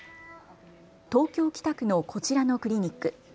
東京北区のこちらのクリニック。